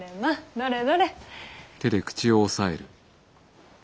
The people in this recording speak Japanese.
どれどれ。